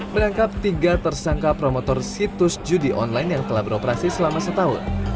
menangkap tiga tersangka promotor situs judi online yang telah beroperasi selama setahun